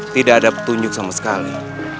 tidak ada petunjuk sama sekali